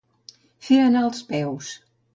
Fer anar entre peus.